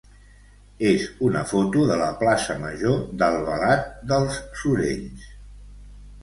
és una foto de la plaça major d'Albalat dels Sorells.